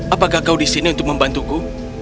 apakah kau disini untuk membantuku